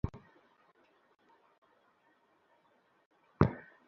তবে নারীদের আন্দোলন শুধু নারীদের নয়, পুরুষদেরও সমানভাবে এগিয়ে আসতে হবে।